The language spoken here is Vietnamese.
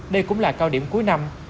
đây cũng là cao điểm cuối năm